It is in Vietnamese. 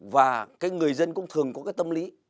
và cái người dân cũng thường có cái tâm lý